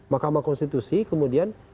mahkamah konstitusi kemudian